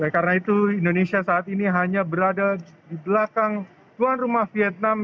karena itu indonesia saat ini hanya berada di belakang tuan rumah vietnam